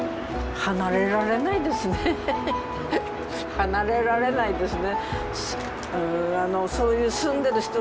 離れられないですね。